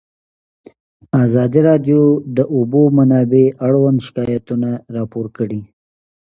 ازادي راډیو د د اوبو منابع اړوند شکایتونه راپور کړي.